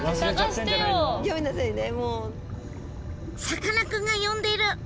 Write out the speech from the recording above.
さかなクンが呼んでいる！